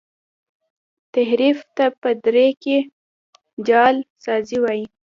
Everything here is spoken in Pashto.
تحریف ته په دري کي جعل سازی وايي.